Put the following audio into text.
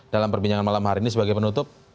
dalam perbincangan malam hari ini sebagai penutup